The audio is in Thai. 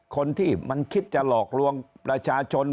คนที่มันคิดจะหลอกลวงประชาชน